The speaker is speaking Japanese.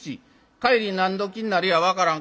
帰り何どきになるや分からん。